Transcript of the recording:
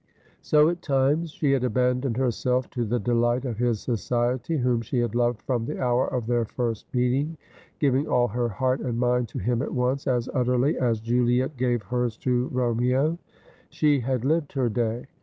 So at times she had abandoned herself to the delight of his society, whom she had loved from the hour of their first meeting, giving all her heart and mind to him at once, as utterly as Juliet gave hers to Romeo. 'Ay F/etJi the Time, it wol no Man Abide.' 26y She had lived her day.